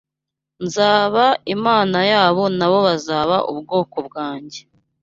nzaba Imana yabo na bo bazaba ubwoko bwanjye